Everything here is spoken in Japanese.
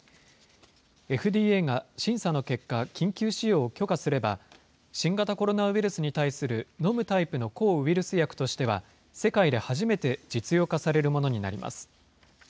ＦＤＡが審査の結果、緊急使用を許可すれば、新型コロナウイルスに対する飲むタイプの抗ウイルス薬としては、世界で初めて実用化されるものになります。